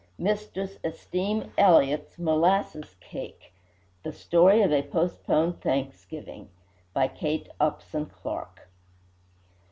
MISTRESS ESTEEM ELLIOTT'S MOLASSES CAKE The Story of a Postponed Thanksgiving By Kate Upson Clark.